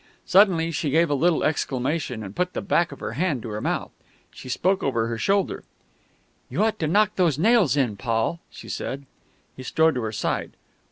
Suddenly she gave a little exclamation, and put the back of her hand to her mouth. She spoke over her shoulder: "You ought to knock those nails in, Paul," she said. He strode to her side.